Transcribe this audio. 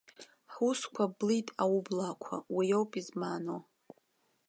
Ҳусқәа блит аублаақәа, уи ауп измааноу!